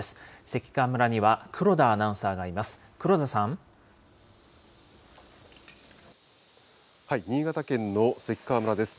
関川村には黒田アナウンサーがいます。